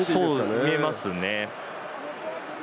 そう見えますね。